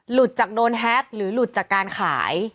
หลุดจากโดนแฮปหรือหลุดจากการขาย